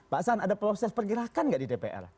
pak san ada proses pergerakan gak di dpr